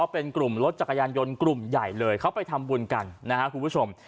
เป็นกลุ่มรถจักรยานยนต์กลุ่มใหญ่เลยเขาไปทำบุญกันนะครับคุณผู้ชม